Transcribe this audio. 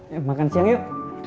ya makan siang yuk